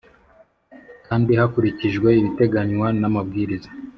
kandi hakurikijwe ibiteganywa n amabwiriza